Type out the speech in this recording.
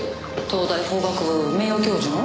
東大法学部名誉教授の。